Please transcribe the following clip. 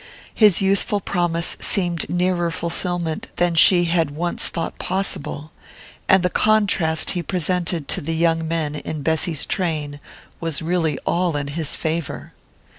His youthful promise seemed nearer fulfillment than she had once thought possible, and the contrast he presented to the young men in Bessy's train was really all in his favour.